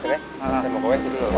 saya mau ke wc dulu